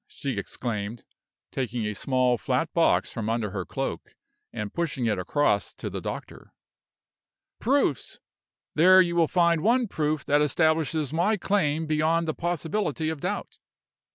she exclaimed, taking a small flat box from under her cloak, and pushing it across to the doctor. "Proofs! there you will find one proof that establishes my claim beyond the possibility of doubt."